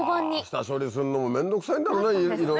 下処理するのも面倒くさいんだろねいろいろと。